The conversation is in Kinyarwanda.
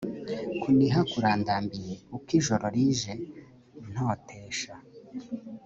kuniha kurandambiye uko ijoro rije ntotesha